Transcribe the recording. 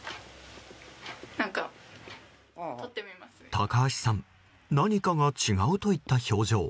高橋さん何かが違うといった表情。